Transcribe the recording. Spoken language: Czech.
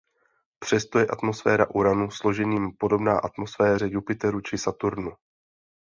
Přesto je atmosféra Uranu složením podobná atmosféře Jupiteru či Saturnu.